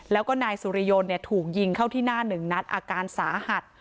แล้วก็นายสุริยนต์ถูกยิงเข้าที่หน้าหนึ่งนัดอาการสาหัส